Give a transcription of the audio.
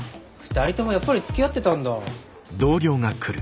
二人ともやっぱりつきあってたんだ。